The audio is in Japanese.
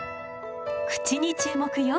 口に注目よ。